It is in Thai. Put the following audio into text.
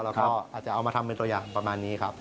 แล้วก็อาจจะเอามาทำเป็นตัวอย่างประมาณนี้ครับ